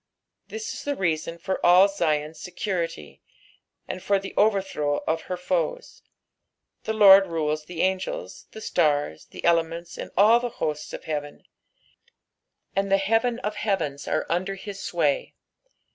Tliis is the reason for all Zion's secniity, and for the overthrow of her foes. The Lord rules the angels, the stars, the element?, snd all the hosts of heaven ; and the heaven of heavens are under his sway.